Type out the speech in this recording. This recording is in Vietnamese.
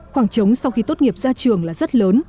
khoảng trống sau khi tốt nghiệp ra trường là rất lớn